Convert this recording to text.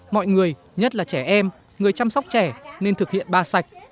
mọi người nhất là trẻ em người chăm sóc trẻ nên thực hiện ba sạch